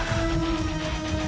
kali ini kau bisa lulus abegara